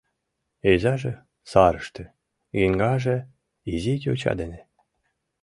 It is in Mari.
Изаже — сарыште, еҥгаже — изи йоча дене.